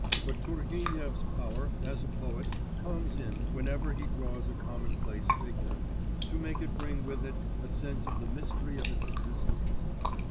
But Turgenev's power as a poet comes in, whenever he draws a commonplace figure, to make it bring with it a sense of the mystery of its existence.